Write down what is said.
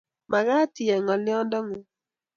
Magaat iyai ngolyongung